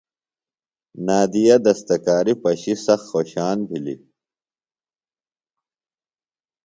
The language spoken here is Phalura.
نادیہ دستکاری پشی سخت خوشان بِھلیۡ۔